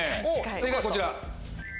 正解こちら。